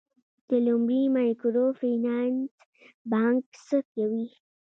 د لومړي مایکرو فینانس بانک څه کوي؟